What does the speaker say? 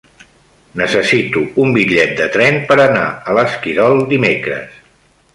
Necessito un bitllet de tren per anar a l'Esquirol dimecres.